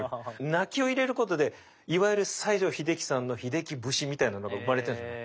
泣きを入れることでいわゆる西城秀樹さんのヒデキ節みたいなのが生まれてるんだね。